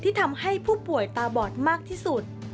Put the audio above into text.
ทำให้ผู้ป่วยตาบอดมากที่สุด